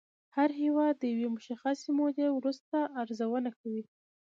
هر هېواد د یوې مشخصې مودې وروسته ارزونه کوي